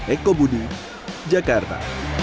eko budi jakarta